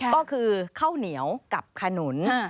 ก็คือข้าวเหนียวกับขนุน